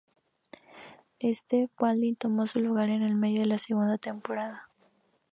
Stephen Baldwin tomó su lugar en el medio de la segunda temporada.